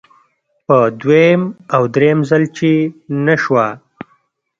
په دویم او دریم ځل چې نشوه.